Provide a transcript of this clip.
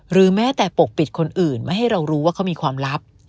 แม้แต่ปกปิดคนอื่นไม่ให้เรารู้ว่าเขามีความลับ